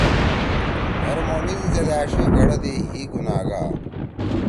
ہر مومین زید أݜی گھڑَدَی ہی گُناہگا